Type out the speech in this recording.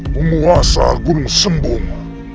pemuasa gunung sembung